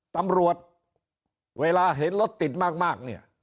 ตำรวจเวลาเห็นรถติดมากเนี่ย